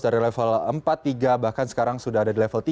dari level empat tiga bahkan sekarang sudah ada di level tiga